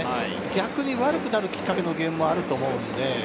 逆に悪くなるきっかけのゲームもあると思うので。